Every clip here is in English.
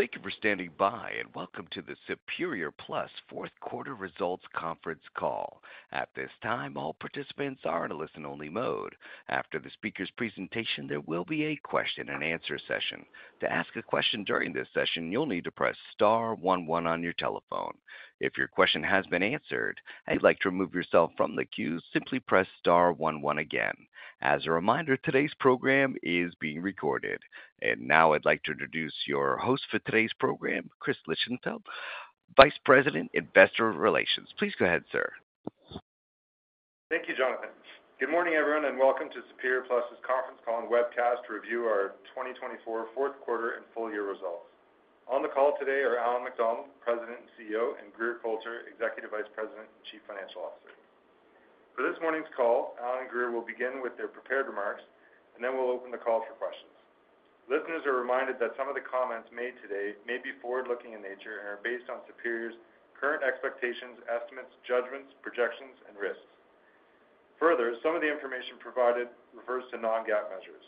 Thank you for standing by, and welcome to the Superior Plus Fourth Quarter Results Conference Call. At this time, all participants are in a listen-only mode. After the speaker's presentation, there will be a question-and-answer session. To ask a question during this session, you'll need to press star one, one on your telephone. If your question has been answered and you'd like to remove yourself from the queue, simply press star one, one again. As a reminder, today's program is being recorded. And now I'd like to introduce your host for today's program, Chris Lichtenheldt, Vice President, Investor Relations. Please go ahead, sir. Thank you, Jonathan. Good morning, everyone, and welcome to Superior Plus' conference call and webcast to review our 2024 Fourth Quarter and full-year results. On the call today are Allan MacDonald, President and CEO, and Grier Colter, Executive Vice President and Chief Financial Officer. For this morning's call, Allan and Grier will begin with their prepared remarks, and then we'll open the call for questions. Listeners are reminded that some of the comments made today may be forward-looking in nature and are based on Superior's current expectations, estimates, judgments, projections, and risks. Further, some of the information provided refers to non-GAAP measures.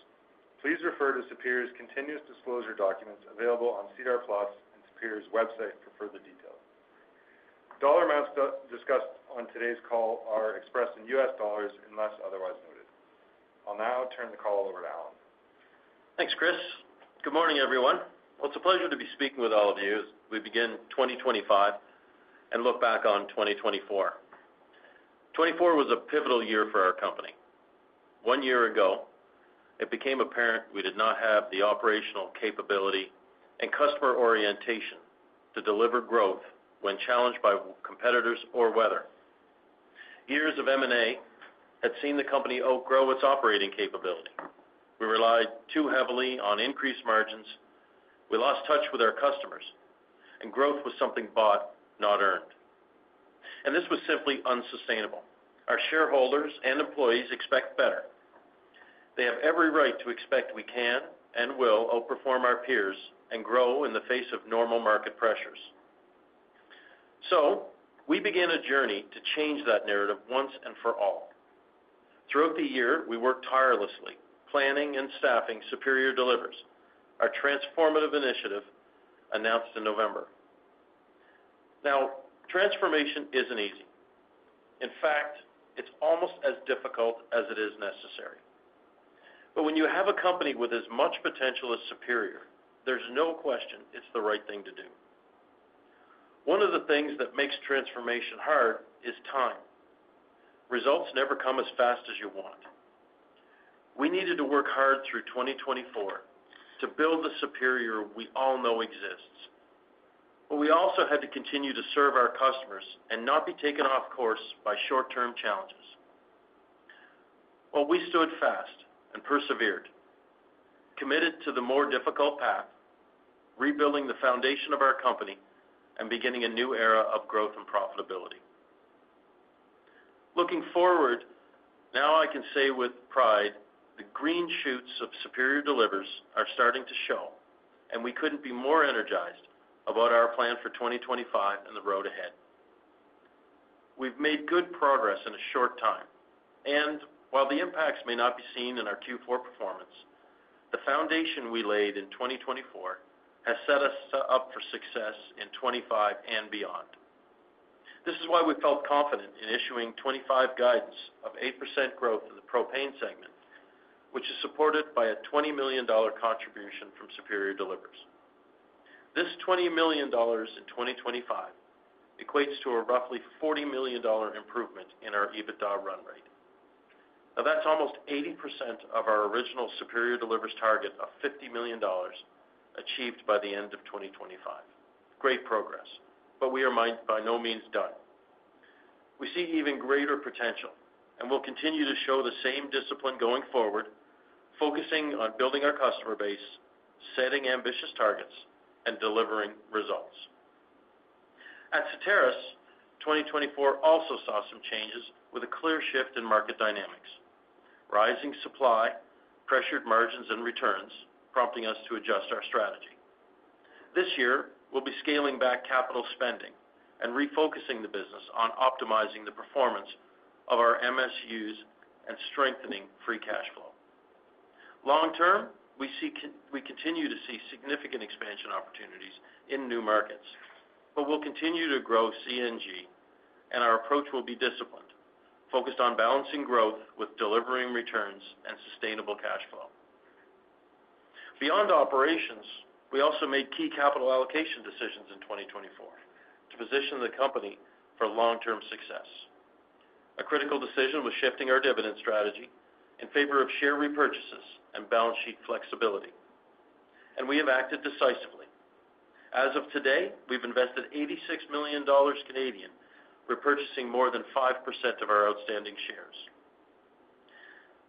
Please refer to Superior's continuous disclosure documents available on SEDAR+ and Superior's website for further details. Dollar amounts discussed on today's call are expressed in US dollars unless otherwise noted. I'll now turn the call over to Allan. Thanks, Chris. Good morning, everyone. Well, it's a pleasure to be speaking with all of you as we begin 2025 and look back on 2024. 2024 was a pivotal year for our company. One year ago, it became apparent we did not have the operational capability and customer orientation to deliver growth when challenged by competitors or weather. Years of M&A had seen the company outgrow its operating capability. We relied too heavily on increased margins. We lost touch with our customers, and growth was something bought, not earned, and this was simply unsustainable. Our shareholders and employees expect better. They have every right to expect we can and will outperform our peers and grow in the face of normal market pressures, so we begin a journey to change that narrative once and for all. Throughout the year, we worked tirelessly, planning and staffing Superior Delevers, our transformative initiative announced in November. Now, transformation isn't easy. In fact, it's almost as difficult as it is necessary. But when you have a company with as much potential as Superior, there's no question it's the right thing to do. One of the things that makes transformation hard is time. Results never come as fast as you want. We needed to work hard through 2024 to build the Superior we all know exists. But we also had to continue to serve our customers and not be taken off course by short-term challenges. Well, we stood fast and persevered, committed to the more difficult path, rebuilding the foundation of our company and beginning a new era of growth and profitability. Looking forward, now I can say with pride, the green shoots of Superior Delivers are starting to show, and we couldn't be more energized about our plan for 2025 and the road ahead. We've made good progress in a short time, and while the impacts may not be seen in our Q4 performance, the foundation we laid in 2024 has set us up for success in 2025 and beyond. This is why we felt confident in issuing 2025 guidance of 8% growth in the propane segment, which is supported by a 20 million dollar contribution from Superior Delivers. This 20 million dollars in 2025 equates to a roughly 40 million dollar improvement in our EBITDA run rate. Now, that's almost 80% of our original Superior Delivers target of 50 million dollars achieved by the end of 2025. Great progress, but we are by no means done. We see even greater potential, and we'll continue to show the same discipline going forward, focusing on building our customer base, setting ambitious targets, and delevering results. At Certarus, 2024 also saw some changes with a clear shift in market dynamics. Rising supply, pressured margins, and returns, prompting us to adjust our strategy. This year, we'll be scaling back capital spending and refocusing the business on optimizing the performance of our MSUs and strengthening free cash flow. Long-term, we continue to see significant expansion opportunities in new markets, but we'll continue to grow CNG, and our approach will be disciplined, focused on balancing growth with delevering returns and sustainable cash flow. Beyond operations, we also made key capital allocation decisions in 2024 to position the company for long-term success. A critical decision was shifting our dividend strategy in favor of share repurchases and balance sheet flexibility. We have acted decisively. As of today, we've invested 86 million Canadian dollars, repurchasing more than 5% of our outstanding shares.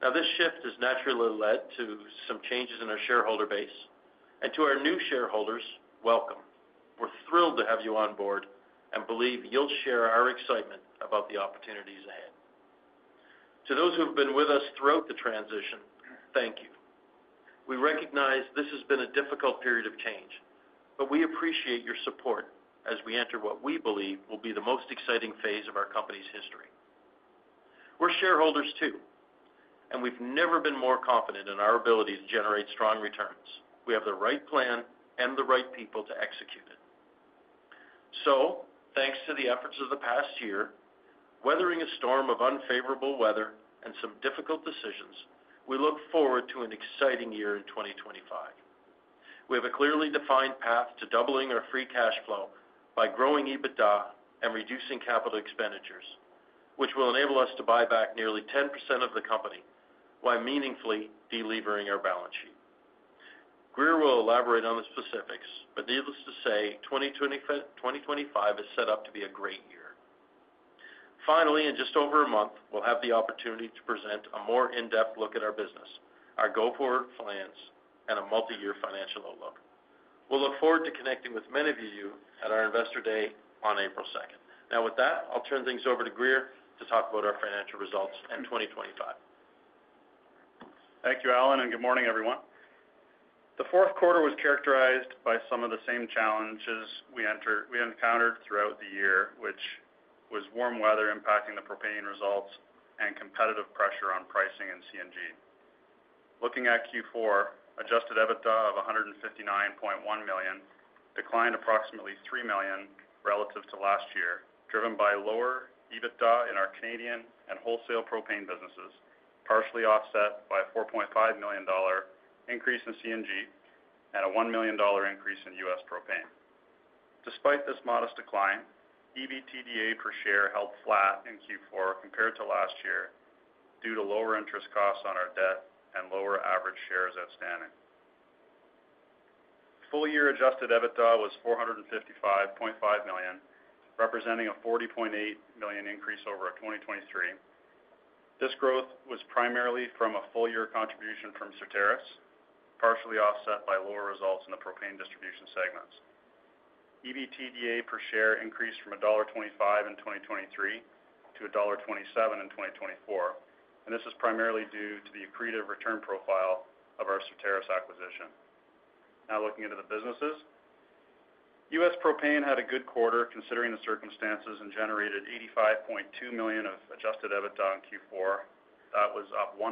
Now, this shift has naturally led to some changes in our shareholder base. To our new shareholders, welcome. We're thrilled to have you on board and believe you'll share our excitement about the opportunities ahead. To those who have been with us throughout the transition, thank you. We recognize this has been a difficult period of change, but we appreciate your support as we enter what we believe will be the most exciting phase of our company's history. We're shareholders too, and we've never been more confident in our ability to generate strong returns. We have the right plan and the right people to execute it. Thanks to the efforts of the past year, weathering a storm of unfavorable weather and some difficult decisions, we look forward to an exciting year in 2025. We have a clearly defined path to doubling our free cash flow by growing EBITDA and reducing capital expenditures, which will enable us to buy back nearly 10% of the company while meaningfully delivering our balance sheet. Grier will elaborate on the specifics, but needless to say, 2025 is set up to be a great year. Finally, in just over a month, we'll have the opportunity to present a more in-depth look at our business, our go-forward plans, and a multi-year financial outlook. We'll look forward to connecting with many of you at our investor day on April 2nd. Now, with that, I'll turn things over to Grier to talk about our financial results in 2025. Thank you, Allan, and good morning, everyone. The fourth quarter was characterized by some of the same challenges we encountered throughout the year, which was warm weather impacting the propane results and competitive pressure on pricing and CNG. Looking at Q4, Adjusted EBITDA of 159.1 million declined approximately 3 million relative to last year, driven by lower EBITDA in our Canadian and wholesale propane businesses, partially offset by a 4.5 million dollar increase in CNG and a 1 million dollar increase in US propane. Despite this modest decline, EBITDA per share held flat in Q4 compared to last year due to lower interest costs on our debt and lower average shares outstanding. Full-year Adjusted EBITDA was 455.5 million, representing a 40.8 million increase over 2023. This growth was primarily from a full-year contribution from Certarus, partially offset by lower results in the propane distribution segments. EBITDA per share increased from $1.25 in 2023 to $1.27 in 2024, and this is primarily due to the accretive return profile of our Certarus acquisition. Now, looking into the businesses, U.S. propane had a good quarter considering the circumstances and generated $85.2 million of Adjusted EBITDA in Q4. That was up 1%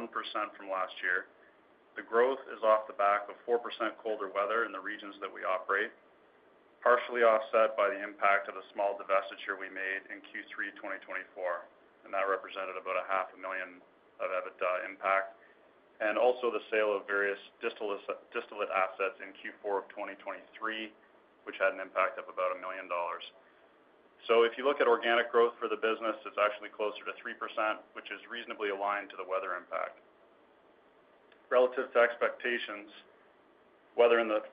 from last year. The growth is off the back of 4% colder weather in the regions that we operate, partially offset by the impact of the small divestiture we made in Q3 2024, and that represented about $500,000 of EBITDA impact, and also the sale of various distillate assets in Q4 of 2023, which had an impact of about $1 million, so if you look at organic growth for the business, it's actually closer to 3%, which is reasonably aligned to the weather impact. Relative to expectations, weather in the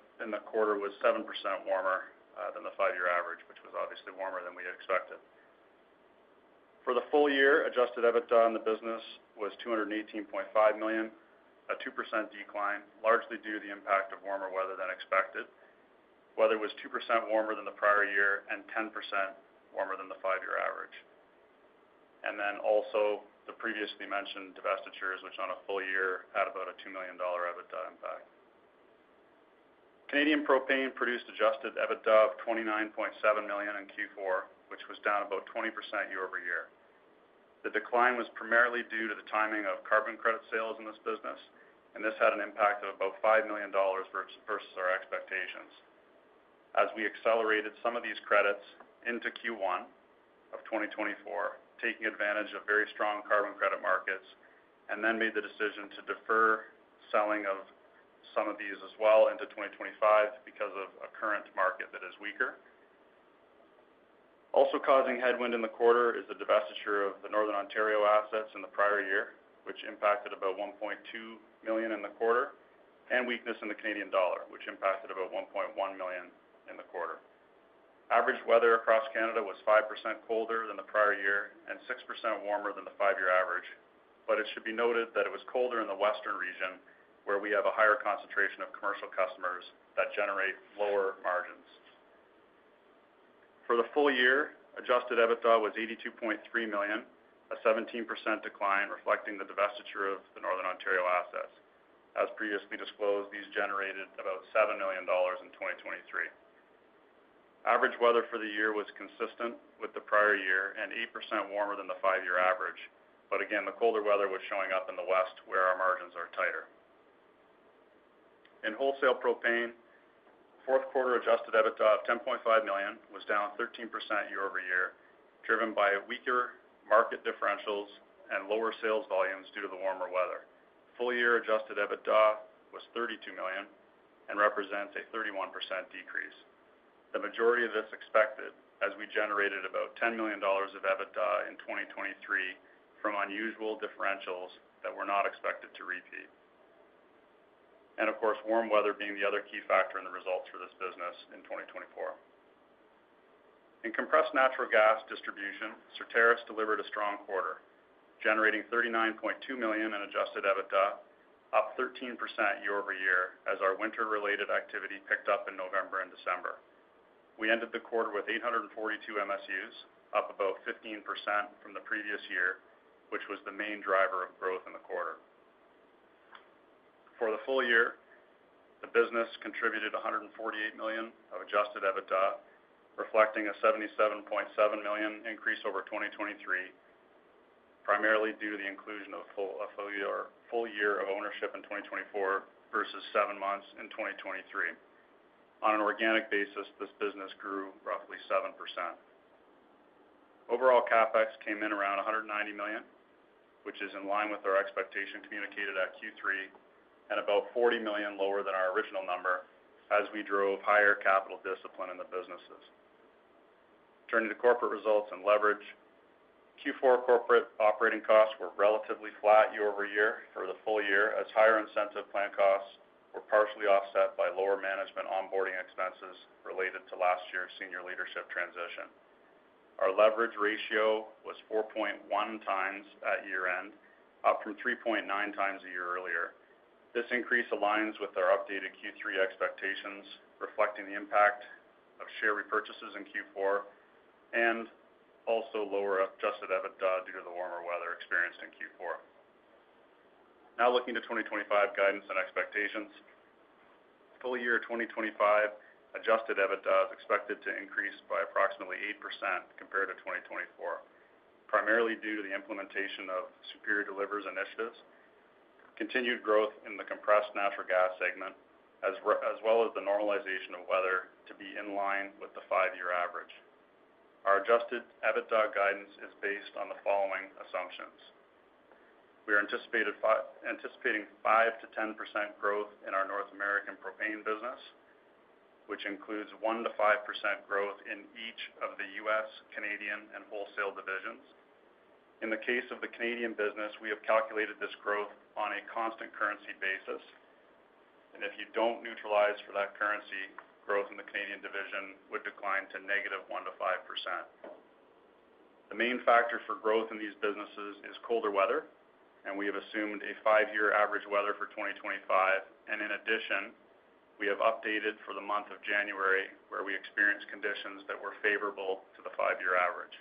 quarter was 7% warmer than the five-year average, which was obviously warmer than we expected. For the full-year Adjusted EBITDA in the business was 218.5 million, a 2% decline, largely due to the impact of warmer weather than expected. Weather was 2% warmer than the prior year and 10% warmer than the five-year average, and then also the previously mentioned divestitures, which on a full year had about a 2 million dollar EBITDA impact. Canadian propane produced Adjusted EBITDA of 29.7 million in Q4, which was down about 20% year over year. The decline was primarily due to the timing of carbon credit sales in this business, and this had an impact of about 5 million dollars versus our expectations. As we accelerated some of these credits into Q1 of 2024, taking advantage of very strong carbon credit markets, and then made the decision to defer selling of some of these as well into 2025 because of a current market that is weaker. Also causing headwind in the quarter is the divestiture of the Northern Ontario assets in the prior year, which impacted about 1.2 million in the quarter, and weakness in the Canadian dollar, which impacted about 1.1 million in the quarter. Average weather across Canada was 5% colder than the prior year and 6% warmer than the five-year average, but it should be noted that it was colder in the western region where we have a higher concentration of commercial customers that generate lower margins. For the full year, Adjusted EBITDA was 82.3 million, a 17% decline, reflecting the divestiture of the Northern Ontario assets. As previously disclosed, these generated about 7 million dollars in 2023. Average weather for the year was consistent with the prior year and 8% warmer than the five-year average, but again, the colder weather was showing up in the west where our margins are tighter. In wholesale propane, fourth quarter Adjusted EBITDA of 10.5 million was down 13% year over year, driven by weaker market differentials and lower sales volumes due to the warmer weather. Full-year Adjusted EBITDA was 32 million and represents a 31% decrease. The majority of this expected as we generated about 10 million dollars of EBITDA in 2023 from unusual differentials that were not expected to repeat. And of course, warm weather being the other key factor in the results for this business in 2024. In compressed natural gas distribution, Certarus delivered a strong quarter, generating 39.2 million in adjusted EBITDA, up 13% year over year as our winter-related activity picked up in November and December. We ended the quarter with 842 MSUs, up about 15% from the previous year, which was the main driver of growth in the quarter. For the full year, the business contributed 148 million of adjusted EBITDA, reflecting a 77.7 million increase over 2023, primarily due to the inclusion of a full year of ownership in 2024 versus seven months in 2023. On an organic basis, this business grew roughly 7%. Overall, CapEx came in around 190 million, which is in line with our expectation communicated at Q3, and about 40 million lower than our original number as we drove higher capital discipline in the businesses. Turning to corporate results and leverage, Q4 corporate operating costs were relatively flat year over year for the full year as higher incentive plan costs were partially offset by lower management onboarding expenses related to last year's senior leadership transition. Our leverage ratio was 4.1 times at year-end, up from 3.9 times a year earlier. This increase aligns with our updated Q3 expectations, reflecting the impact of share repurchases in Q4 and also lower Adjusted EBITDA due to the warmer weather experienced in Q4. Now, looking to 2025 guidance and expectations, full year 2025 Adjusted EBITDA is expected to increase by approximately 8% compared to 2024, primarily due to the implementation of Superior Delivers initiatives, continued growth in the compressed natural gas segment, as well as the normalization of weather to be in line with the five-year average. Our Adjusted EBITDA guidance is based on the following assumptions. We are anticipating 5%-10% growth in our North American propane business, which includes 1%-5% growth in each of the U.S., Canadian, and wholesale divisions. In the case of the Canadian business, we have calculated this growth on a constant currency basis, and if you don't neutralize for that currency, growth in the Canadian division would decline to -1% to 5%. The main factor for growth in these businesses is colder weather, and we have assumed a five-year average weather for 2025, and in addition, we have updated for the month of January where we experienced conditions that were favorable to the five-year average.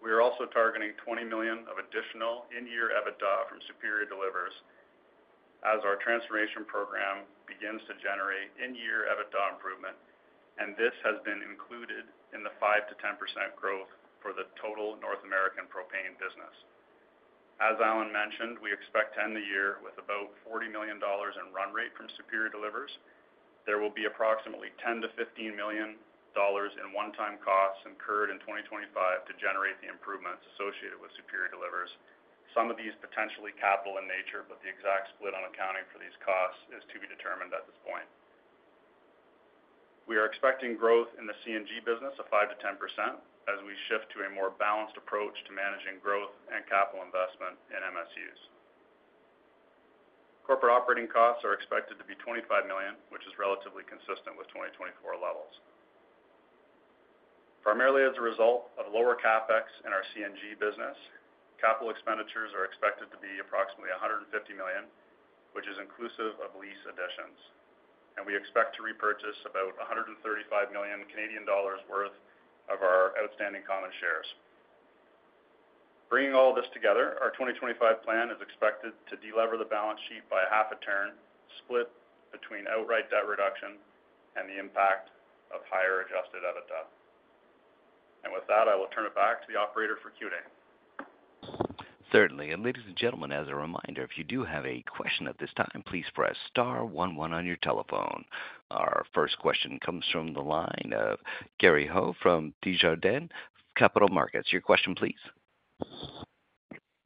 We are also targeting 20 million of additional in-year EBITDA from Superior Delivers as our transformation program begins to generate in-year EBITDA improvement, and this has been included in the 5%-10% growth for the total North American propane business. As Allan mentioned, we expect to end the year with about $40 million in run rate from Superior Delivers. There will be approximately $10 million-$15 million in one-time costs incurred in 2025 to generate the improvements associated with Superior Delivers. Some of these potentially capital in nature, but the exact split on accounting for these costs is to be determined at this point. We are expecting growth in the CNG business of 5%-10% as we shift to a more balanced approach to managing growth and capital investment in MSUs. Corporate operating costs are expected to be $25 million, which is relatively consistent with 2024 levels. Primarily as a result of lower CapEx in our CNG business, capital expenditures are expected to be approximately 150 million, which is inclusive of lease additions, and we expect to repurchase about 135 million Canadian dollars worth of our outstanding common shares. Bringing all this together, our 2025 plan is expected to delever the balance sheet by a half a turn split between outright debt reduction and the impact of higher adjusted EBITDA. And with that, I will turn it back to the operator for Q&A. Certainly. And ladies and gentlemen, as a reminder, if you do have a question at this time, please press star one, one on your telephone. Our first question comes from the line of Gary Ho from Desjardins Capital Markets. Your question, please.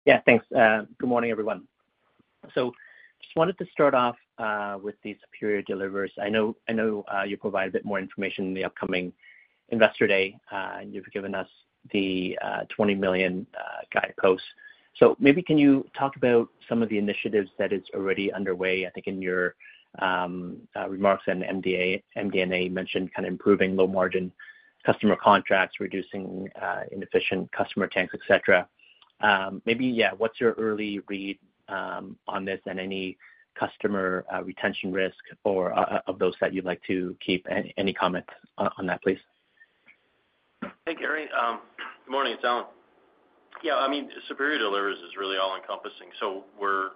Yeah, thanks. Good morning, everyone. So just wanted to start off with the Superior Delivers. I know you'll provide a bit more information in the upcoming investor day, and you've given us the 20 million guidepost. So maybe can you talk about some of the initiatives that are already underway? I think in your remarks and MD&A mentioned kind of improving low-margin customer contracts, reducing inefficient customer tanks, etc. Maybe, yeah, what's your early read on this and any customer retention risk of those that you'd like to keep? Any comments on that, please? Hey, Gary. Good morning. It's Allan. Yeah, I mean, Superior Delivers is really all-encompassing. So we're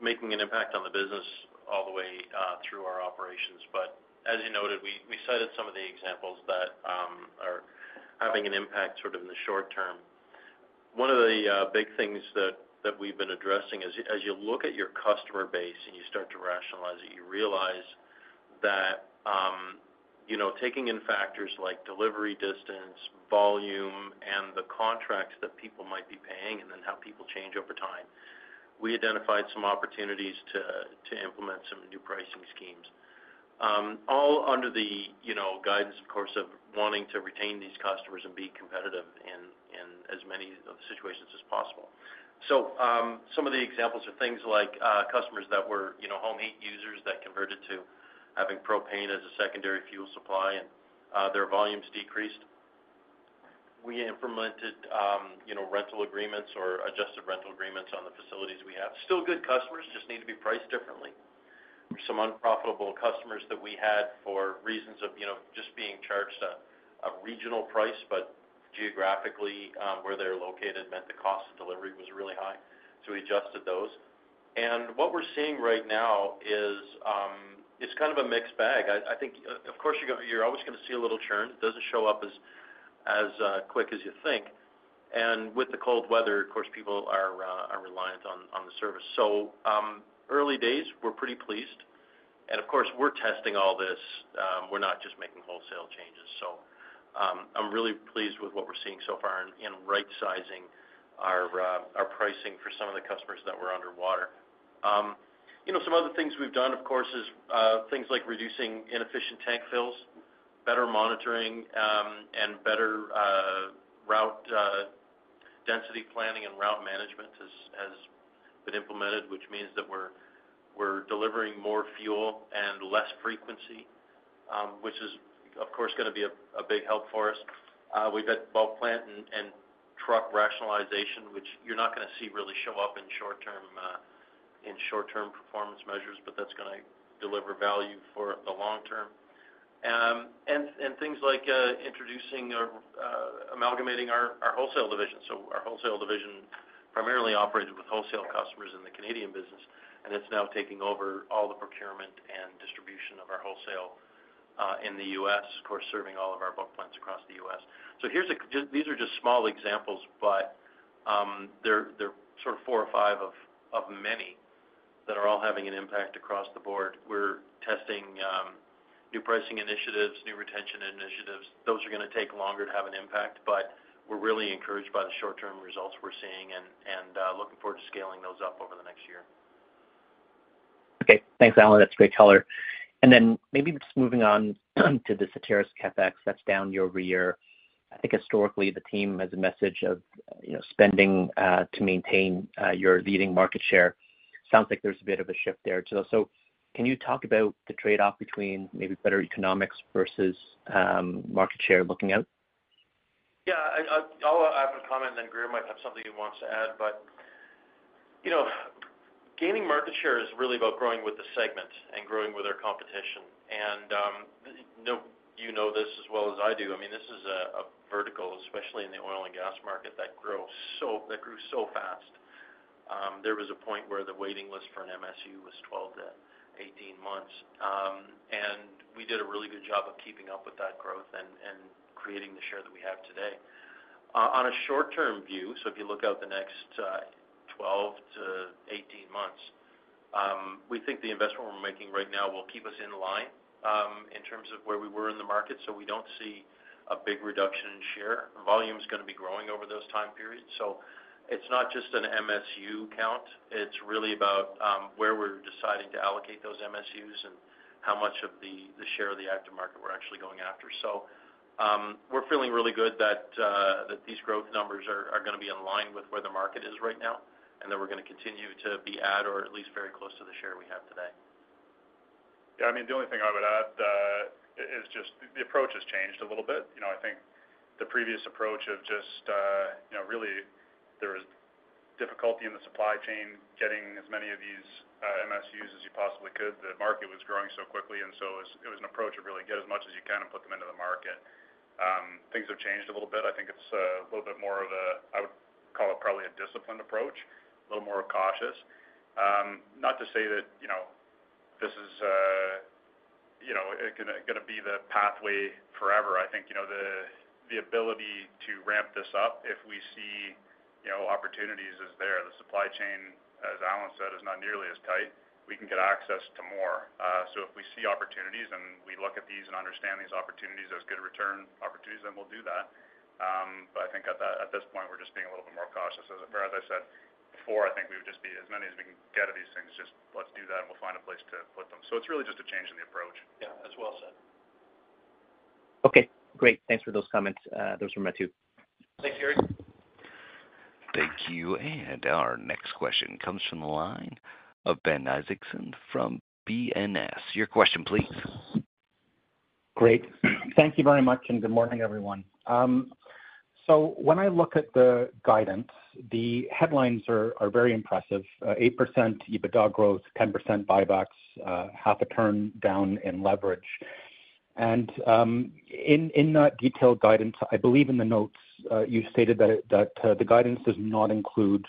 making an impact on the business all the way through our operations. But as you noted, we cited some of the examples that are having an impact sort of in the short term. One of the big things that we've been addressing is as you look at your customer base and you start to rationalize it, you realize that taking in factors like delivery distance, volume, and the contracts that people might be paying, and then how people change over time, we identified some opportunities to implement some new pricing schemes, all under the guidance, of course, of wanting to retain these customers and be competitive in as many situations as possible. So some of the examples are things like customers that were home heat users that converted to having propane as a secondary fuel supply, and their volumes decreased. We implemented rental agreements or adjusted rental agreements on the facilities we have. Still good customers, just need to be priced differently. Some unprofitable customers that we had for reasons of just being charged a regional price, but geographically, where they're located meant the cost of delivery was really high. So we adjusted those. And what we're seeing right now is it's kind of a mixed bag. I think, of course, you're always going to see a little churn. It doesn't show up as quick as you think. And with the cold weather, of course, people are reliant on the service. So early days, we're pretty pleased. And of course, we're testing all this. We're not just making wholesale changes. So I'm really pleased with what we're seeing so far in right-sizing our pricing for some of the customers that were underwater. Some other things we've done, of course, is things like reducing inefficient tank fills, better monitoring, and better route density planning and route management has been implemented, which means that we're delivering more fuel and less frequency, which is, of course, going to be a big help for us. We've had bulk plant and truck rationalization, which you're not going to see really show up in short-term performance measures, but that's going to deliver value for the long term. And things like introducing or amalgamating our wholesale division. So our wholesale division primarily operated with wholesale customers in the Canadian business, and it's now taking over all the procurement and distribution of our wholesale in the U.S., of course, serving all of our bulk plants across the U.S. So these are just small examples, but they're sort of four or five of many that are all having an impact across the board. We're testing new pricing initiatives, new retention initiatives. Those are going to take longer to have an impact, but we're really encouraged by the short-term results we're seeing and looking forward to scaling those up over the next year. Okay. Thanks, Allan. That's great color. And then maybe just moving on to the Certarus CapEx that's down year over year. I think historically, the team has a message of spending to maintain your leading market share. Sounds like there's a bit of a shift there too. So can you talk about the trade-off between maybe better economics versus market share looking out? Yeah. I'll add a comment, and then Grier might have something he wants to add, but gaining market share is really about growing with the segment and growing with our competition, and you know this as well as I do. I mean, this is a vertical, especially in the oil and gas market, that grew so fast. There was a point where the waiting list for an MSU was 12 to 18 months, and we did a really good job of keeping up with that growth and creating the share that we have today. On a short-term view, so if you look out the next 12 to 18 months, we think the investment we're making right now will keep us in line in terms of where we were in the market, so we don't see a big reduction in share. Volume is going to be growing over those time periods. It's not just an MSU count. It's really about where we're deciding to allocate those MSUs and how much of the share of the active market we're actually going after. We're feeling really good that these growth numbers are going to be in line with where the market is right now, and then we're going to continue to be at or at least very close to the share we have today. Yeah. I mean, the only thing I would add is just the approach has changed a little bit. I think the previous approach of just really there was difficulty in the supply chain, getting as many of these MSUs as you possibly could. The market was growing so quickly, and so it was an approach of really get as much as you can and put them into the market. Things have changed a little bit. I think it's a little bit more of a, I would call it probably a disciplined approach, a little more cautious. Not to say that this is going to be the pathway forever. I think the ability to ramp this up, if we see opportunities as there, the supply chain, as Allan said, is not nearly as tight. We can get access to more. So if we see opportunities and we look at these and understand these opportunities as good return opportunities, then we'll do that. But I think at this point, we're just being a little bit more cautious. As I said before, I think we would just be as many as we can get of these things. Just let's do that, and we'll find a place to put them. So it's really just a change in the approach. Yeah, that's well said. Okay. Great. Thanks for those comments. Those from Me. Thanks, Gary. Thank you and our next question comes from the line of Ben Isaacson from BNS. Your question, please. Great. Thank you very much, and good morning, everyone. So when I look at the guidance, the headlines are very impressive. 8% EBITDA growth, 10% buybacks, half a turn down in leverage. And in that detailed guidance, I believe in the notes, you stated that the guidance does not include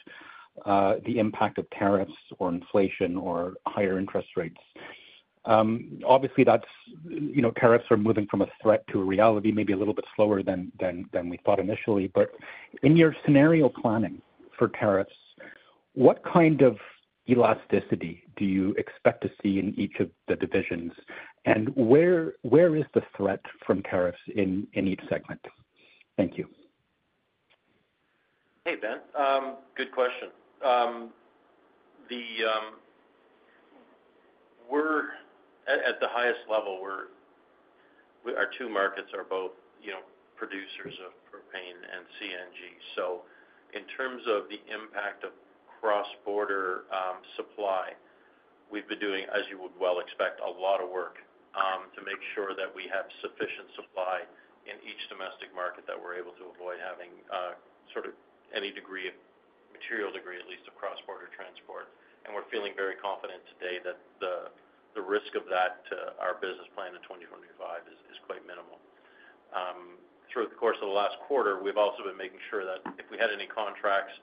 the impact of tariffs or inflation or higher interest rates. Obviously, tariffs are moving from a threat to a reality maybe a little bit slower than we thought initially. But in your scenario planning for tariffs, what kind of elasticity do you expect to see in each of the divisions, and where is the threat from tariffs in each segment? Thank you. Hey, Ben. Good question. At the highest level, our two markets are both producers of propane and CNG. So in terms of the impact of cross-border supply, we've been doing, as you would well expect, a lot of work to make sure that we have sufficient supply in each domestic market that we're able to avoid having sort of any degree of material, at least, of cross-border transport. And we're feeling very confident today that the risk of that to our business plan in 2025 is quite minimal. Through the course of the last quarter, we've also been making sure that if we had any contracts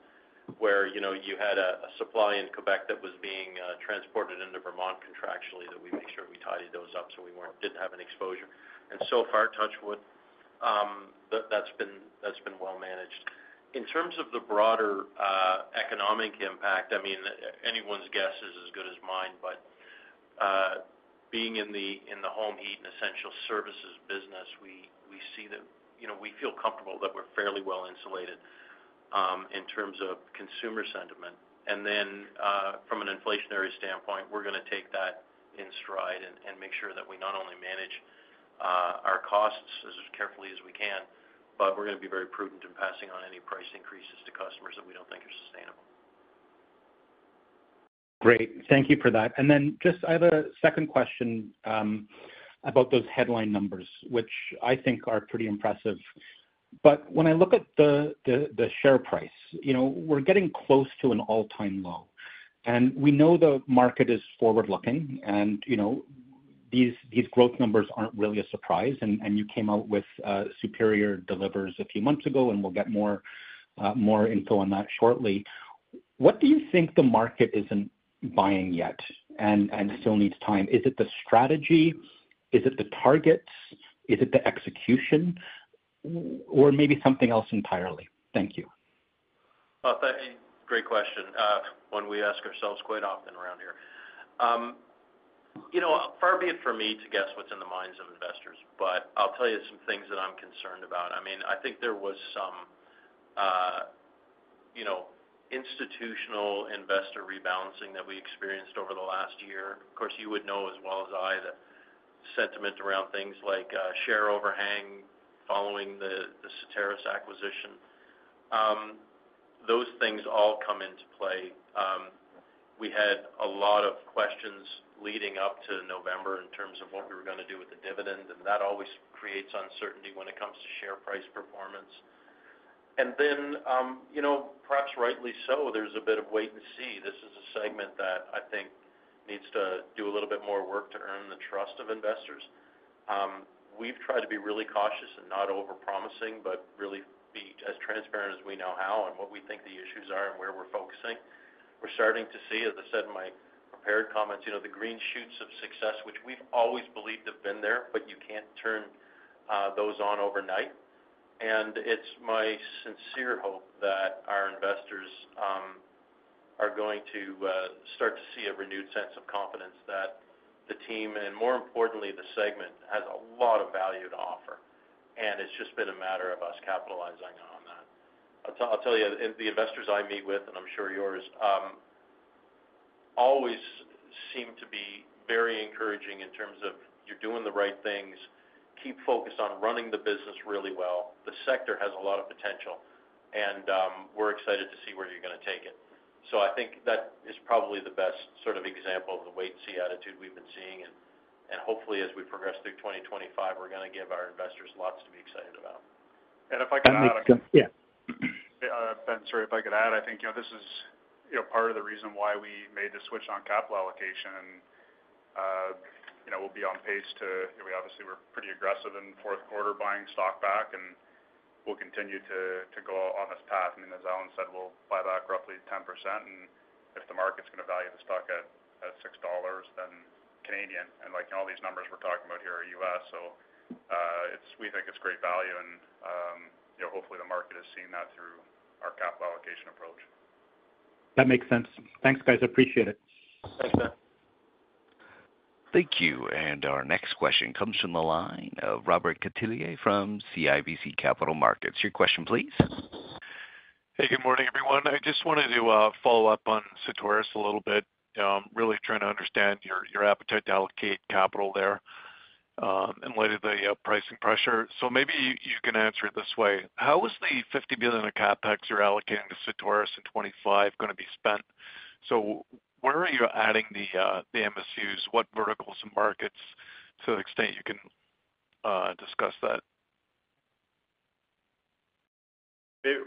where you had a supply in Quebec that was being transported into Vermont contractually, that we make sure we tidied those up so we didn't have an exposure. And so far, touch wood, that's been well managed. In terms of the broader economic impact, I mean, anyone's guess is as good as mine, but being in the home heat and essential services business, we see that we feel comfortable that we're fairly well insulated in terms of consumer sentiment. And then from an inflationary standpoint, we're going to take that in stride and make sure that we not only manage our costs as carefully as we can, but we're going to be very prudent in passing on any price increases to customers that we don't think are sustainable. Great. Thank you for that. And then just I have a second question about those headline numbers, which I think are pretty impressive. But when I look at the share price, we're getting close to an all-time low. And we know the market is forward-looking, and these growth numbers aren't really a surprise. And you came out with Superior Delivers a few months ago, and we'll get more info on that shortly. What do you think the market isn't buying yet and still needs time? Is it the strategy? Is it the targets? Is it the execution? Or maybe something else entirely? Thank you. Oh, thank you. Great question. One we ask ourselves quite often around here. Far be it for me to guess what's in the minds of investors, but I'll tell you some things that I'm concerned about. I mean, I think there was some institutional investor rebalancing that we experienced over the last year. Of course, you would know as well as I the sentiment around things like share overhang following the Certarus acquisition. Those things all come into play. We had a lot of questions leading up to November in terms of what we were going to do with the dividend, and that always creates uncertainty when it comes to share price performance, and then perhaps rightly so, there's a bit of wait and see. This is a segment that I think needs to do a little bit more work to earn the trust of investors. We've tried to be really cautious and not over-promising, but really be as transparent as we know how and what we think the issues are and where we're focusing. We're starting to see, as I said in my prepared comments, the green shoots of success, which we've always believed have been there, but you can't turn those on overnight. And it's my sincere hope that our investors are going to start to see a renewed sense of confidence that the team, and more importantly, the segment, has a lot of value to offer. And it's just been a matter of us capitalizing on that. I'll tell you, the investors I meet with, and I'm sure yours, always seem to be very encouraging in terms of, "You're doing the right things. Keep focused on running the business really well. The sector has a lot of potential, and we're excited to see where you're going to take it, so I think that is probably the best sort of example of the wait-and-see attitude we've been seeing, and hopefully, as we progress through 2025, we're going to give our investors lots to be excited about. If I could add. Allan, yeah. Ben, sorry. If I could add, I think this is part of the reason why we made the switch on capital allocation, and we'll be on pace to obviously, we're pretty aggressive in fourth quarter buying stock back, and we'll continue to go on this path. I mean, as Allan said, we'll buy back roughly 10%. And if the market's going to value the stock at 6 dollars. And all these numbers we're talking about here are USD. So we think it's great value, and hopefully, the market has seen that through our capital allocation approach. That makes sense. Thanks, guys. Appreciate it. Thanks, Ben. Thank you. And our next question comes from the line of Robert Catellier from CIBC Capital Markets. Your question, please. Hey, good morning, everyone. I just wanted to follow up on Certarus a little bit. I'm really trying to understand your appetite to allocate capital there in light of the pricing pressure. So maybe you can answer it this way. How is the 50 million of CapEx you're allocating to Certarus in 2025 going to be spent? So where are you adding the MSUs? What verticals and markets? To the extent you can discuss that.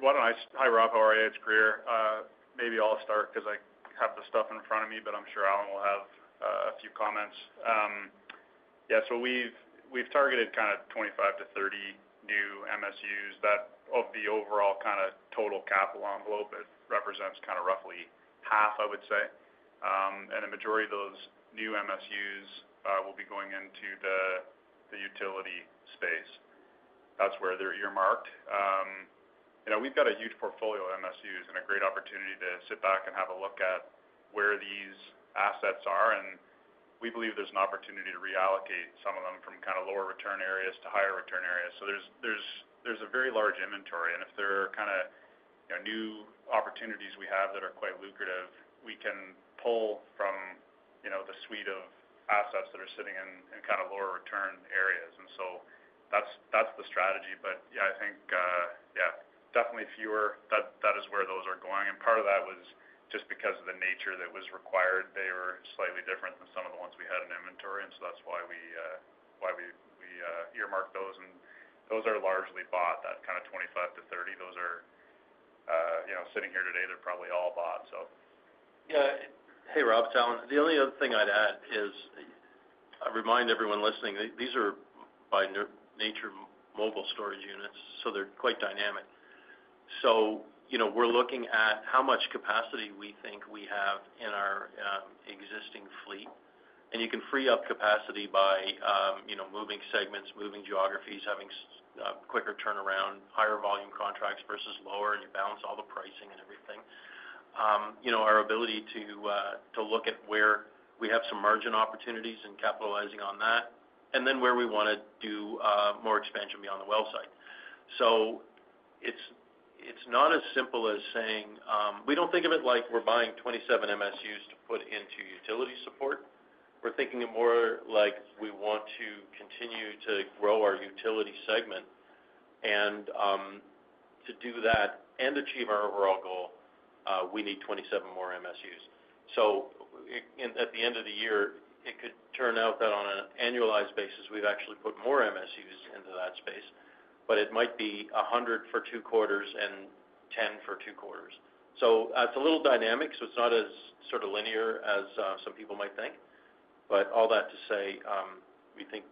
Why don't I. Hi, Rob. How are you? It's Grier. Maybe I'll start because I have the stuff in front of me, but I'm sure Allan will have a few comments. Yeah, so we've targeted kind of 25-30 new MSUs. That of the overall kind of total capital envelope, it represents kind of roughly half, I would say, and the majority of those new MSUs will be going into the utility space. That's where they're earmarked. We've got a huge portfolio of MSUs and a great opportunity to sit back and have a look at where these assets are. And we believe there's an opportunity to reallocate some of them from kind of lower return areas to higher return areas. So there's a very large inventory. And if there are kind of new opportunities we have that are quite lucrative, we can pull from the suite of assets that are sitting in kind of lower return areas. And so that's the strategy. But yeah, I think, yeah, definitely fewer. That is where those are going. And part of that was just because of the nature that was required. They were slightly different than some of the ones we had in inventory. And so that's why we earmarked those. And those are largely bought. That kind of 25-30, those are sitting here today, they're probably all bought, so. Yeah. Hey, Rob, it's Allan. The only other thing I'd add is I remind everyone listening, these are by nature mobile storage units, so they're quite dynamic. So we're looking at how much capacity we think we have in our existing fleet, and you can free up capacity by moving segments, moving geographies, having quicker turnaround, higher volume contracts versus lower, and you balance all the pricing and everything. Our ability to look at where we have some margin opportunities and capitalizing on that, and then where we want to do more expansion beyond the well site, so it's not as simple as saying we don't think of it like we're buying 27 MSUs to put into utility support. We're thinking of more like we want to continue to grow our utility segment, and to do that and achieve our overall goal, we need 27 more MSUs. So at the end of the year, it could turn out that on an annualized basis, we've actually put more MSUs into that space, but it might be 100 for two quarters and 10 for two quarters. So it's a little dynamic. So it's not as sort of linear as some people might think. But all that to say, we think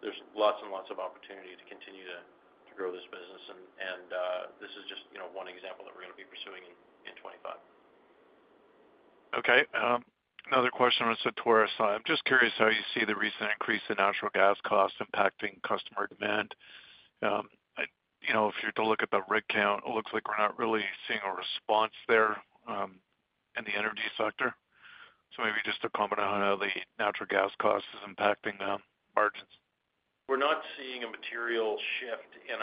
there's lots and lots of opportunity to continue to grow this business. And this is just one example that we're going to be pursuing in 2025. Okay. Another question was Certarus. I'm just curious how you see the recent increase in natural gas costs impacting customer demand. If you're to look at the rig count, it looks like we're not really seeing a response there in the energy sector. So maybe just a comment on how the natural gas cost is impacting margins. We're not seeing a material shift in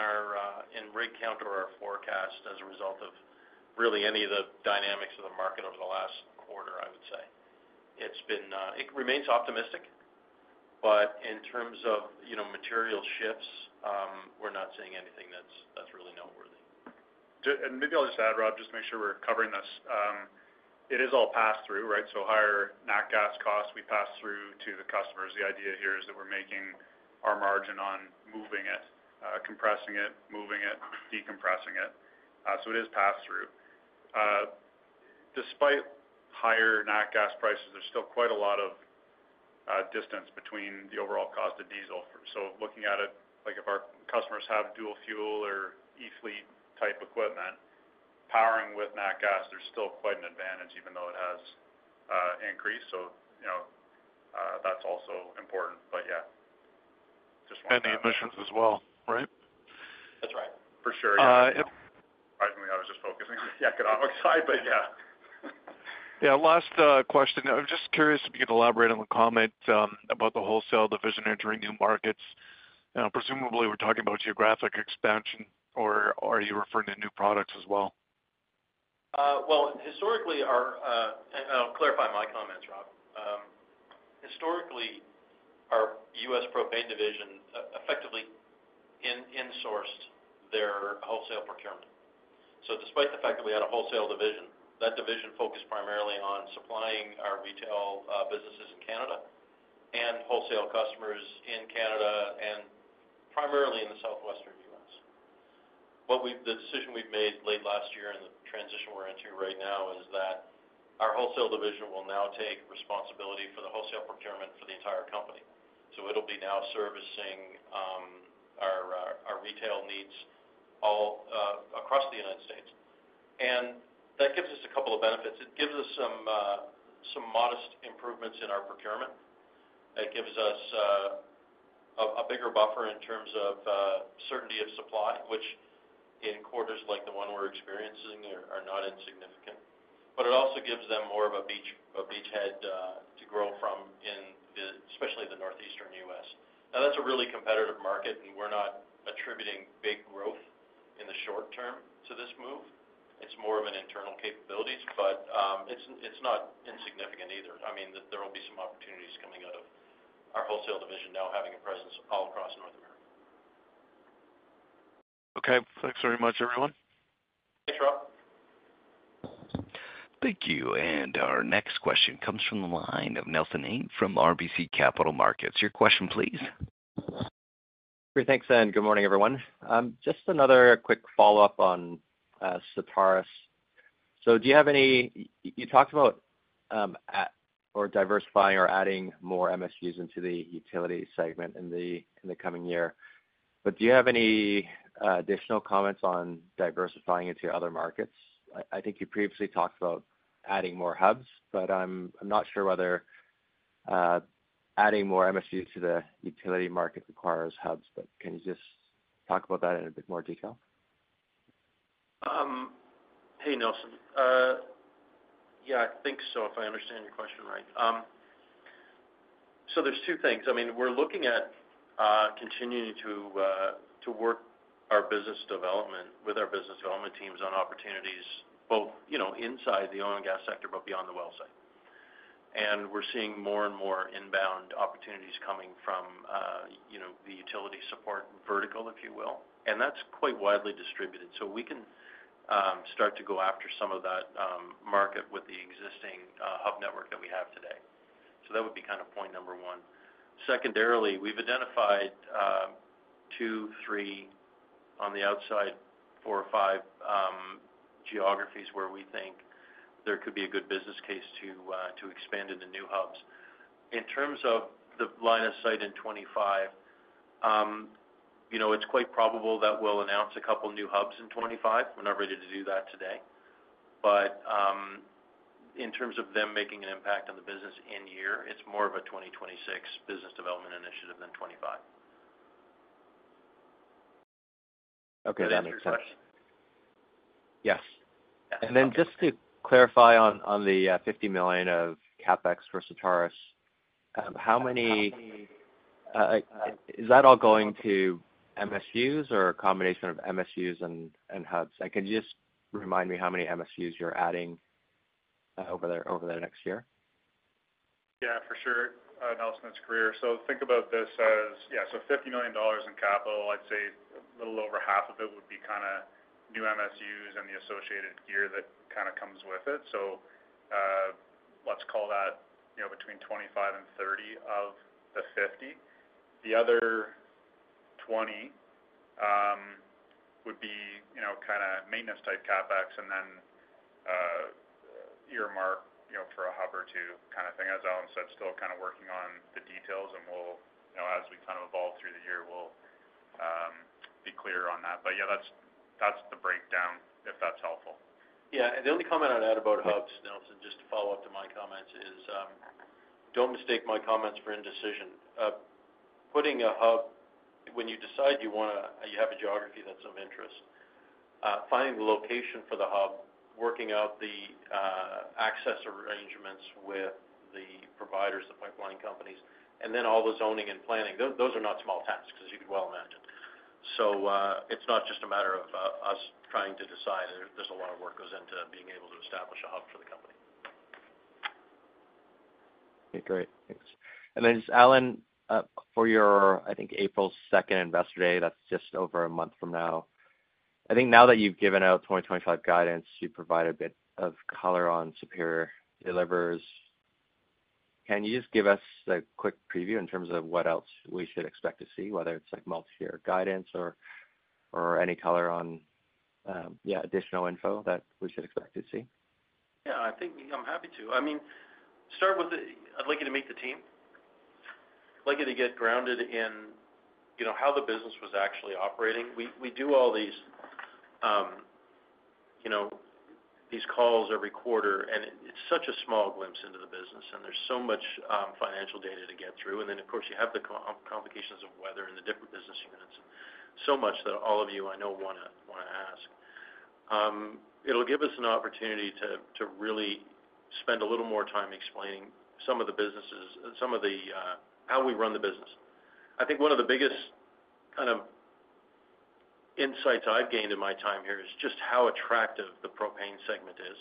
rig count or our forecast as a result of really any of the dynamics of the market over the last quarter, I would say. It remains optimistic, but in terms of material shifts, we're not seeing anything that's really noteworthy. Maybe I'll just add, Rob, just to make sure we're covering this. It is all pass-through, right? So higher natural gas costs, we pass through to the customers. The idea here is that we're making our margin on moving it, compressing it, moving it, decompressing it. So it is pass-through. Despite higher natural gas prices, there's still quite a lot of distance between the overall cost of diesel. So looking at it, if our customers have dual fuel or E-fleet type equipment powering with natural gas, there's still quite an advantage even though it has increased. So that's also important. But yeah, just wanted to. The emissions as well, right? That's right. For sure. Surprisingly, I was just focusing on the economic side, but yeah. Yeah. Last question. I'm just curious if you could elaborate on the comment about the wholesale division entering new markets. Presumably, we're talking about geographic expansion, or are you referring to new products as well? Historically, I'll clarify my comments, Rob. Historically, our US propane division effectively insourced their wholesale procurement. So despite the fact that we had a wholesale division, that division focused primarily on supplying our retail businesses in Canada and wholesale customers in Canada and primarily in the southwestern US. The decision we've made late last year and the transition we're into right now is that our wholesale division will now take responsibility for the wholesale procurement for the entire company. So it'll be now servicing our retail needs all across the United States. And that gives us a couple of benefits. It gives us some modest improvements in our procurement. It gives us a bigger buffer in terms of certainty of supply, which in quarters like the one we're experiencing are not insignificant. But it also gives them more of a beachhead to grow from, especially the northeastern US. Now, that's a really competitive market, and we're not attributing big growth in the short term to this move. It's more of an internal capabilities, but it's not insignificant either. I mean, there will be some opportunities coming out of our wholesale division now having a presence all across North America. Okay. Thanks very much, everyone. Thanks, Rob. Thank you. And our next question comes from the line of Nelson Ng from RBC Capital Markets. Your question, please. Great. Thanks, Ben. Good morning, everyone. Just another quick follow-up on Certarus. So do you have any you talked about diversifying or adding more MSUs into the utility segment in the coming year. But do you have any additional comments on diversifying into other markets? I think you previously talked about adding more hubs, but I'm not sure whether adding more MSUs to the utility market requires hubs. But can you just talk about that in a bit more detail? Hey, Nelson. Yeah, I think so, if I understand your question right. So there's two things. I mean, we're looking at continuing to work with our business development teams on opportunities both inside the oil and gas sector but beyond the well site. And we're seeing more and more inbound opportunities coming from the utility support vertical, if you will. And that's quite widely distributed. So we can start to go after some of that market with the existing hub network that we have today. So that would be kind of point number one. Secondarily, we've identified two, three - on the outside, four or five - geographies where we think there could be a good business case to expand into new hubs. In terms of the line of sight in 2025, it's quite probable that we'll announce a couple of new hubs in 2025. We're not ready to do that today. But in terms of them making an impact on the business in year, it's more of a 2026 business development initiative than 2025. Okay. Thank you for the question. Yes. Then just to clarify on the 50 million of CapEx for Certarus, how many, is that all going to MSUs or a combination of MSUs and hubs? And can you just remind me how many MSUs you're adding over the next year? Yeah, for sure. Nelson, it's Grier. So think about this as, yeah, so 50 million dollars in capital, I'd say a little over half of it would be kind of new MSUs and the associated gear that kind of comes with it. So let's call that between 25 and 30 of the 50. The other 20 would be kind of maintenance-type CapEx and then earmark for a hub or two kind of thing. As Allan said, still kind of working on the details, and as we kind of evolve through the year, we'll be clearer on that. But yeah, that's the breakdown, if that's helpful. Yeah. And the only comment I'd add about hubs, Nelson, just to follow up to my comments is don't mistake my comments for indecision. Putting a hub, when you decide you have a geography that's of interest, finding the location for the hub, working out the access arrangements with the providers, the pipeline companies, and then all the zoning and planning, those are not small tasks, as you could well imagine. So it's not just a matter of us trying to decide. There's a lot of work that goes into being able to establish a hub for the company. Okay. Great. Thanks, and then just Allan, for your, I think, April 2nd Investor Day, that's just over a month from now. I think now that you've given out 2025 guidance, you've provided a bit of color on Superior Delivers. Can you just give us a quick preview in terms of what else we should expect to see, whether it's multi-year guidance or any color on, yeah, additional info that we should expect to see? Yeah. I think I'm happy to. I mean, start with, I'd like you to meet the team. I'd like you to get grounded in how the business was actually operating. We do all these calls every quarter, and it's such a small glimpse into the business, and there's so much financial data to get through. And then, of course, you have the complications of weather and the different business units, so much that all of you, I know, want to ask. It'll give us an opportunity to really spend a little more time explaining some of the businesses, some of the how we run the business. I think one of the biggest kind of insights I've gained in my time here is just how attractive the propane segment is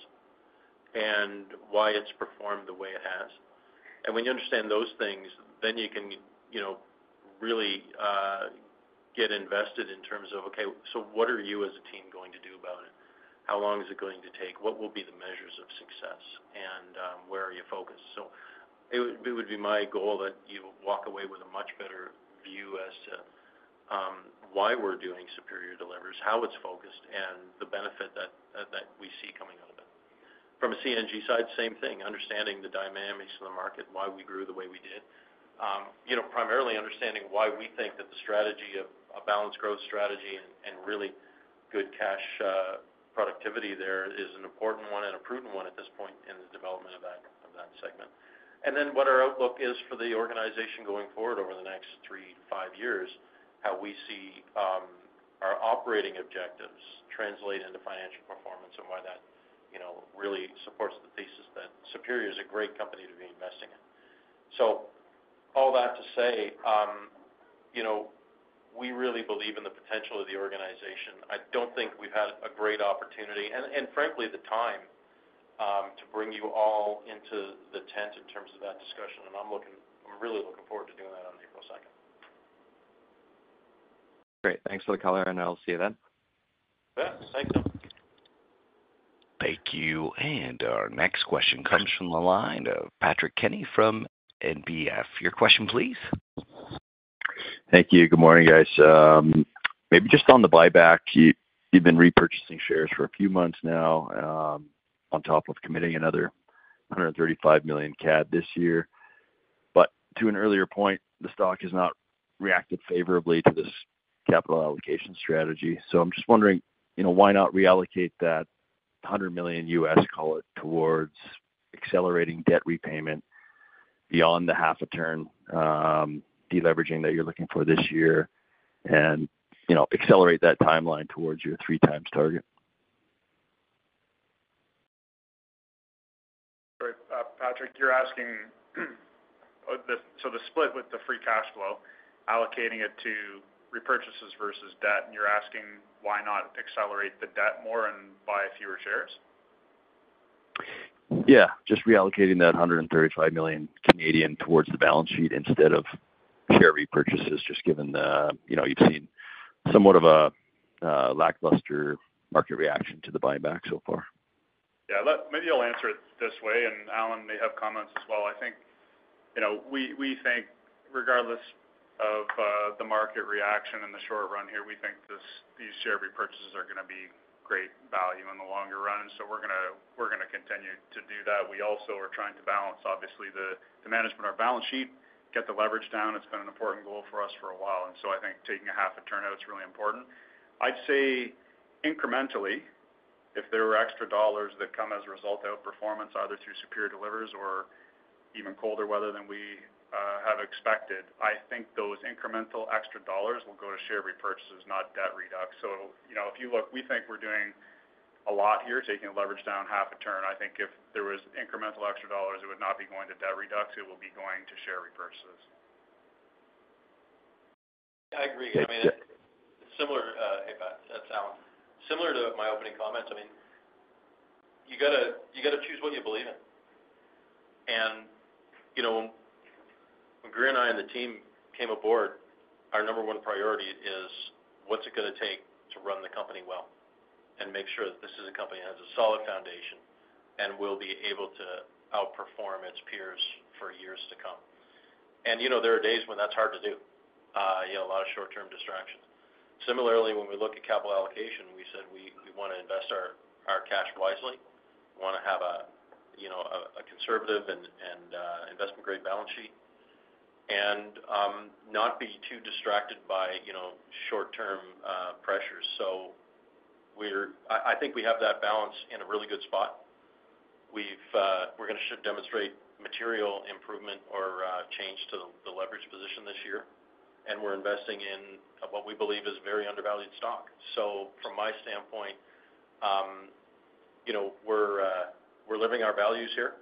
and why it's performed the way it has. And when you understand those things, then you can really get invested in terms of, okay, so what are you as a team going to do about it? How long is it going to take? What will be the measures of success? And where are you focused? So it would be my goal that you walk away with a much better view as to why we're doing Superior Delivers, how it's focused, and the benefit that we see coming out of it. From a CNG side, same thing, understanding the dynamics of the market, why we grew the way we did. Primarily understanding why we think that the strategy of a balanced growth strategy and really good cash productivity there is an important one and a prudent one at this point in the development of that segment. Then what our outlook is for the organization going forward over the next three, five years, how we see our operating objectives translate into financial performance and why that really supports the thesis that Superior is a great company to be investing in, so all that to say, we really believe in the potential of the organization. I don't think we've had a great opportunity, and frankly, the time to bring you all into the tent in terms of that discussion, and I'm really looking forward to doing that on April 2nd. Great. Thanks for the color, and I'll see you then. Yeah. Thanks, Allan. Thank you. And our next question comes from the line of Patrick Kenny from NBF. Your question, please. Thank you. Good morning, guys. Maybe just on the buyback, you've been repurchasing shares for a few months now on top of committing another 135 million CAD this year. But to an earlier point, the stock has not reacted favorably to this capital allocation strategy. So I'm just wondering, why not reallocate that $100 million, call it, towards accelerating debt repayment beyond the half-a-turn deleveraging that you're looking for this year and accelerate that timeline towards your three-times target? Sorry, Patrick, you're asking, so the split with the free cash flow, allocating it to repurchases versus debt, and you're asking why not accelerate the debt more and buy fewer shares? Yeah. Just reallocating that 135 million towards the balance sheet instead of share repurchases, just given you've seen somewhat of a lackluster market reaction to the buyback so far. Yeah. Maybe I'll answer it this way, and Allan may have comments as well. I think we think, regardless of the market reaction in the short run here, we think these share repurchases are going to be great value in the longer run, and so we're going to continue to do that. We also are trying to balance, obviously, the management of our balance sheet, get the leverage down. It's been an important goal for us for a while, and so I think taking a half a turn out is really important. I'd say incrementally, if there were extra dollars that come as a result of performance, either through Superior Delivers or even colder weather than we have expected, I think those incremental extra dollars will go to share repurchases, not debt reductions. So if you look, we think we're doing a lot here, taking leverage down half a turn. I think if there were incremental extra dollars, it would not be going to debt reductions. It will be going to share repurchases. Yeah. I agree. I mean, similar to my opening comments, I mean, you got to choose what you believe in. And when Grier and I and the team came aboard, our number one priority is what's it going to take to run the company well and make sure that this is a company that has a solid foundation and will be able to outperform its peers for years to come. And there are days when that's hard to do, a lot of short-term distractions. Similarly, when we look at capital allocation, we said we want to invest our cash wisely. We want to have a conservative and investment-grade balance sheet and not be too distracted by short-term pressures. So I think we have that balance in a really good spot. We're going to demonstrate material improvement or change to the leverage position this year. And we're investing in what we believe is a very undervalued stock. So from my standpoint, we're living our values here.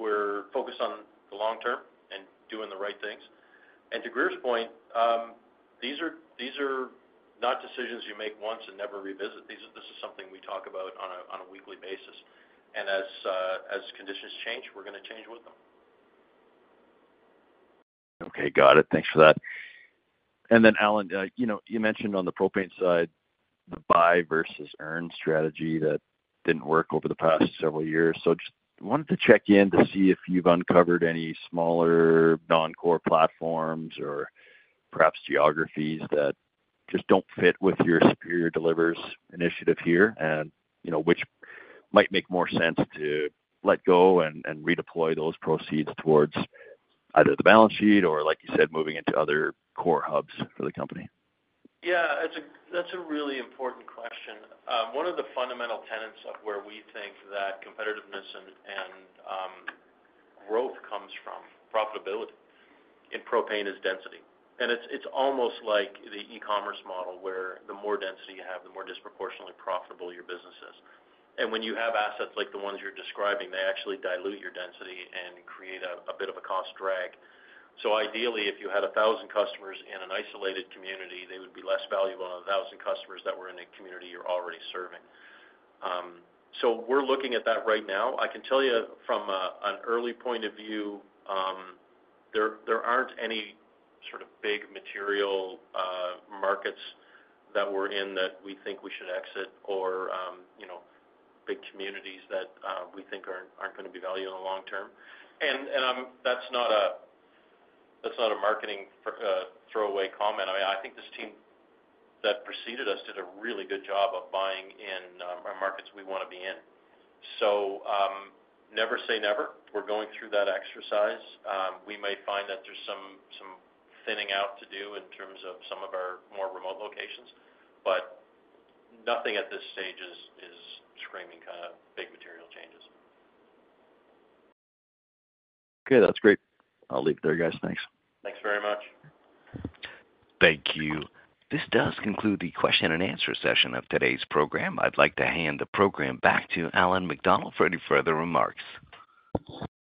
We're focused on the long term and doing the right things. And to Grier's point, these are not decisions you make once and never revisit. This is something we talk about on a weekly basis. And as conditions change, we're going to change with them. Okay. Got it. Thanks for that, and then, Allan, you mentioned on the propane side the buy versus earn strategy that didn't work over the past several years, so just wanted to check in to see if you've uncovered any smaller non-core platforms or perhaps geographies that just don't fit with your Superior Delivers initiative here and which might make more sense to let go and redeploy those proceeds towards either the balance sheet or, like you said, moving into other core hubs for the company. Yeah. That's a really important question. One of the fundamental tenets of where we think that competitiveness and growth comes from profitability in propane is density. And it's almost like the e-commerce model where the more density you have, the more disproportionately profitable your business is. And when you have assets like the ones you're describing, they actually dilute your density and create a bit of a cost drag. So ideally, if you had 1,000 customers in an isolated community, they would be less valuable than 1,000 customers that were in a community you're already serving. So we're looking at that right now. I can tell you from an early point of view, there aren't any sort of big material markets that we're in that we think we should exit or big communities that we think aren't going to be valued in the long term. That's not a marketing throwaway comment. I mean, I think this team that preceded us did a really good job of buying in our markets we want to be in. So never say never. We're going through that exercise. We may find that there's some thinning out to do in terms of some of our more remote locations, but nothing at this stage is screaming kind of big material changes. Okay. That's great. I'll leave it there, guys. Thanks. Thanks very much. Thank you. This does conclude the question and answer session of today's program. I'd like to hand the program back to Allan MacDonald for any further remarks.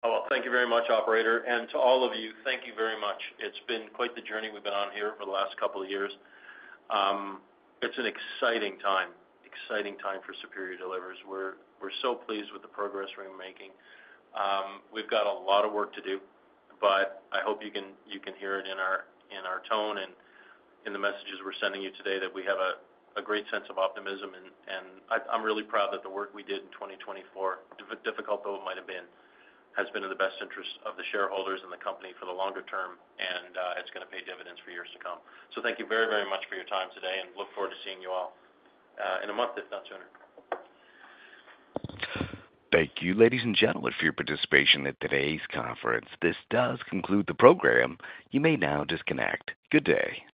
Well, thank you very much, operator. And to all of you, thank you very much. It's been quite the journey we've been on here over the last couple of years. It's an exciting time, exciting time for Superior Delivers. We're so pleased with the progress we're making. We've got a lot of work to do, but I hope you can hear it in our tone and in the messages we're sending you today that we have a great sense of optimism. And I'm really proud that the work we did in 2024, difficult though it might have been, has been in the best interest of the shareholders and the company for the longer term, and it's going to pay dividends for years to come. So thank you very, very much for your time today, and look forward to seeing you all in a month, if not sooner. Thank you, ladies and gentlemen, for your participation in today's conference. This does conclude the program. You may now disconnect. Good day.